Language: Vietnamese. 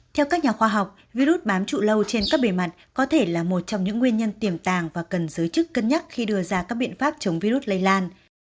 theo các nhà khoa học virus bám trụ lâu trên các bề mặt có thể là một trong những nguyên nhân tiềm tàng và cần giới chức cân nhắc khi đưa ra các biện pháp chống virus lây lan